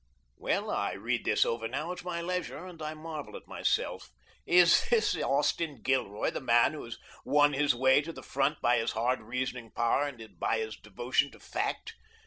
Well, I read this over now at my leisure, and I marvel at myself! Is this Austin Gilroy, the man who has won his way to the front by his hard reasoning power and by his devotion to fact?